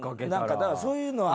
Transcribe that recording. だからそういうのは。